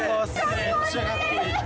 めっちゃかっこいい！